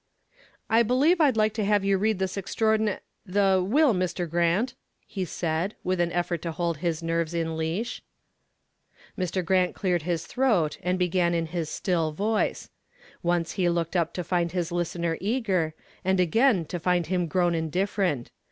"I believe I'd like to have you read this extraor the will, Mr. Grant," he said, with an effort to hold his nerves in leash. Mr. Grant cleared his throat and began in his still voice. Once he looked up to find his listener eager, and again to find him grown indifferent.